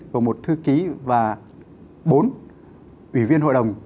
gồm một thư ký và bốn ủy viên hội đồng